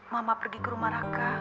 mama pergi ke rumah raka